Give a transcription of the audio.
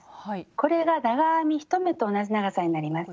これが長編み１目と同じ長さになります。